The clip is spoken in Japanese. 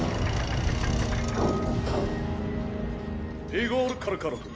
イゴール・カルカロフ